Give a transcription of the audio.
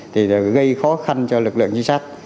thì gây khó khăn cho lực lượng trinh sát